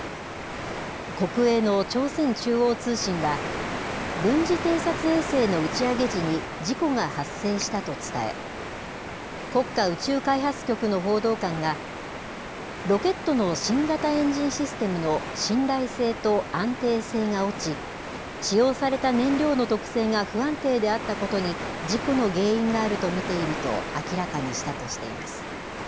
国営の朝鮮中央通信は、軍事偵察衛星の打ち上げ時に事故が発生したと伝え、国家宇宙開発局の報道官が、ロケットの新型エンジンシステムの信頼性と安定性が落ち、使用された燃料の特性が不安定であったことに、事故の原因があると見ていると明らかにしたとしています。